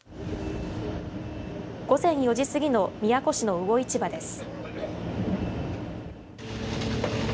午前４時過ぎの宮古市の魚市場です。